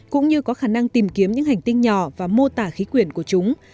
cũng như có khả năng tìm kiếm những hành tinh nhỏ và mô tả khí quyển của chúng